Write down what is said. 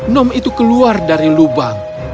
nom itu keluar dari lubang